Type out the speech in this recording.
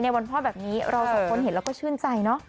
วันพ่อแบบนี้เราสองคนเห็นแล้วก็ชื่นใจเนอะ